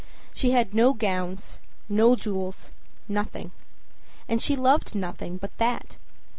She had no gowns, no jewels, nothing. And she loved nothing but that.